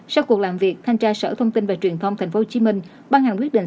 sau cuộc làm việc thanh tra sở thông tin và truyền thông tp hcm ban hành quyết định